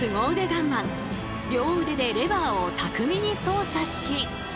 ガンマン両腕でレバーを巧みに操作し。